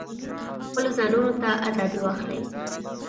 خپلو ځانونو ته آزادي اخلي.